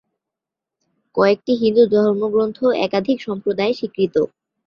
কয়েকটি হিন্দু ধর্মগ্রন্থ একাধিক সম্প্রদায়ে স্বীকৃত।